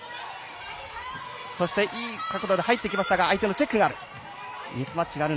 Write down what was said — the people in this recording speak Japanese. そしていい角度で入ってきましたが相手のチェックがある。